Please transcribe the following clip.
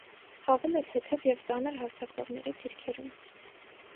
Խաղում է թեթև և ծանր հարձակվողների դիրքերում։